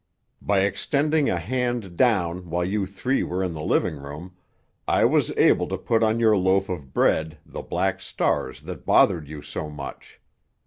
"By extending a hand down while you three were in the living room, I was able to put on your loaf of bread the black stars that bothered you so much.